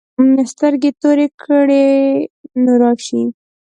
سترګې تورې کړې نو راشې.